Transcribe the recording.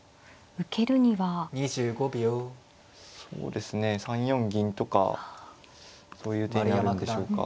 そうですね３四銀とかそういう手になるんでしょうか。